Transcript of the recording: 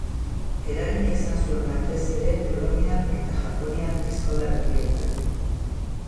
Eragina izan zuen batez ere poloniar eta japoniar eskola berrietan.